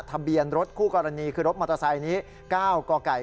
ทะเบียนรถคู่กรณีคือรถมอเตอร์ไซค์นี้๙กไก่